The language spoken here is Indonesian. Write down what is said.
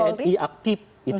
kalau tni aktif